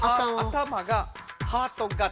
頭がハート形。